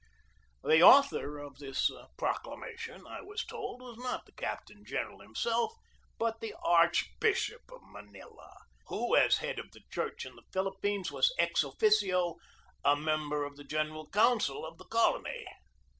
The author of this proclamation, I was told, was not the captain general himself, but the Archbishop of Manila, who as head of the church in the Philip pines was ex officio a member of the general council of the colony.